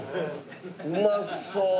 うまそう！